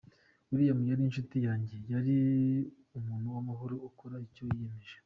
Willy yari inshuti yanjye, yari umuntu w’amahoro, ukora icyo yiyemeje.